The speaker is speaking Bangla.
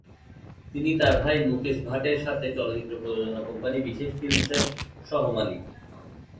তিনি তার ভাই মুকেশ ভাটের সাথে চলচ্চিত্র প্রযোজনা কোম্পানি বিশেষ ফিল্মসের সহ-মালিক।